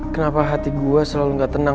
kena apa hati gua selalu gak tenang